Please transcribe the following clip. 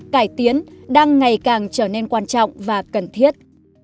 cải tiến đang ngày càng trở nên quan trọng và cần thiết